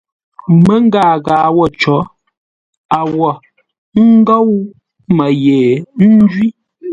Məngaa ghâa wə̂ cǒ, a wo ńgóu mə́ ye ńjwí!